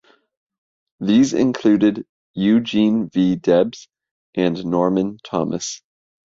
These included Eugene V. Debs and Norman Thomas.